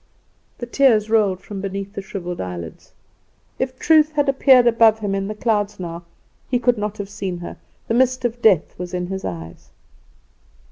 "The tears rolled from beneath the shrivelled eyelids. If Truth had appeared above him in the clouds now he could not have seen her, the mist of death was in his eyes.